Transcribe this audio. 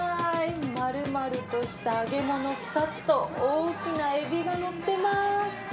まるまるとした揚げ物２つと、大きなエビが載ってます。